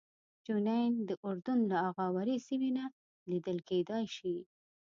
جنین د اردن له اغاورې سیمې نه لیدل کېدای شي.